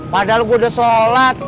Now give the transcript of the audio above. padahal gue udah sholat